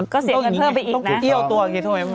ก็เสียงกันเพิ่มไปอีกนะ